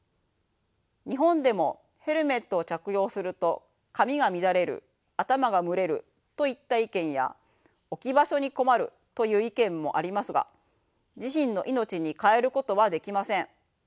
日本でもヘルメットを着用すると髪が乱れる頭が蒸れるといった意見や置き場所に困るという意見もありますが自身の命に代えることはできません。